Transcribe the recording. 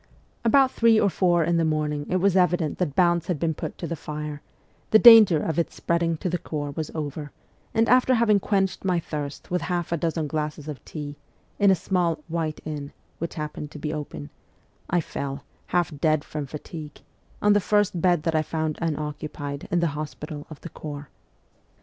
About three or four in the morning it was evident that bounds had been put to the fire ; the danger of its spreading to the Corps was over, and after having quenched my thirst with half a dozen glasses of tea, in a small ' white inn ' which happened to be open, I fell, half dead from fatigue, on the first bed that I found unoccupied in the hospital of the corps.